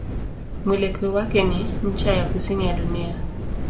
Mwelekeo wake ni ncha ya kusini ya dunia.